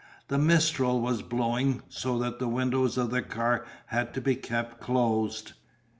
The mistral was blowing so that the windows of the car had to be kept closed.